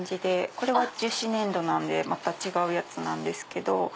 これは樹脂粘土なんでまた違うやつなんですけど。